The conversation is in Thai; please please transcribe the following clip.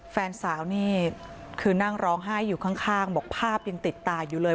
แฟนสาวนี่คือนั่งร้องไห้อยู่ข้างบอกภาพยังติดตาอยู่เลย